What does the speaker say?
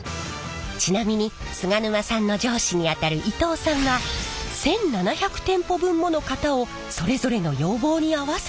ちなみに菅沼さんの上司にあたる伊藤さんは１，７００店舗分もの型をそれぞれの要望に合わせて作ってきました。